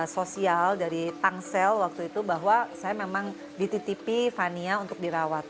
sosial dari tangsel waktu itu bahwa saya memang dititipi fania untuk dirawat